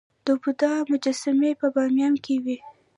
د بودا مجسمې په بامیان کې وې